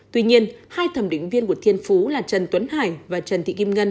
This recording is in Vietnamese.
tuy nhiên hai thẩm định viên của thiên phú là trần tuấn hải và trần thị kim ngân